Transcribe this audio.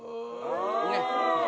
ねっ。